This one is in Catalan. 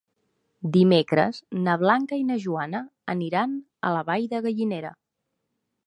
Dimecres na Blanca i na Joana aniran a la Vall de Gallinera.